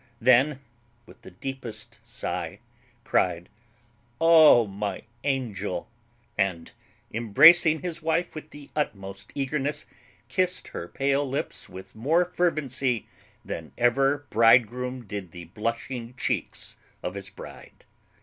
Then, with the deepest sigh, cryed, "Oh, my angel!" and, embracing his wife with the utmost eagerness, kissed her pale lips with more fervency than ever bridegroom did the blushing cheeks of his bride.